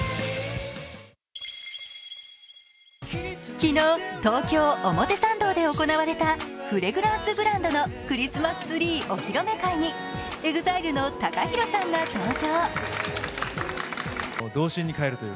昨日、東京・表参道で行われたフレグランスブランドのクリスマスツリーお披露目会にＥＸＩＬＥのＴＡＫＡＨＩＲＯさんが登場。